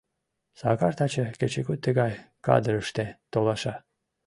Сакар таче кечыгут тыгай кадырыште толаша.